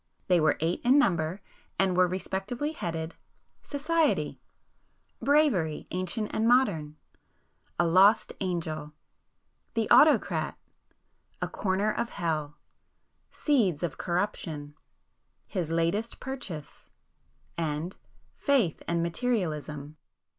They were eight in number, and were respectively headed—'Society,'—'Bravery: Ancient and Modern,'—'A Lost Angel,'—'The Autocrat,'—'A Corner of Hell,'—'Seeds of Corruption,'—'His Latest Purchase,'—and 'Faith and Materialism.